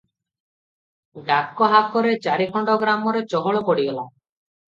ଡାକହାକରେ ଚାରିଖଣ୍ଡ ଗ୍ରାମରେ ଚହଳ ପଡିଗଲା ।